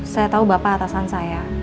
saya tahu bapak atasan saya